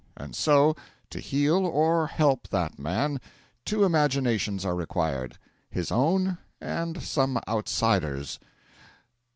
And so, to heal or help that man, two imaginations are required: his own and some outsider's.